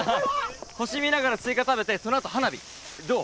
星見ながらスイカ食べてそのあと花火どう？